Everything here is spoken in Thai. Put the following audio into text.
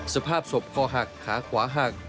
สภาพศพคอหักขาขวาหัก